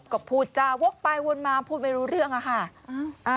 ก็พูดจาวกไปวนมาพูดไม่รู้เรื่องอะค่ะ